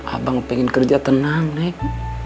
abang pengen kerja tenang nek